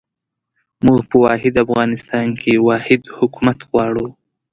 موږ په واحد افغانستان کې واحد حکومت غواړو.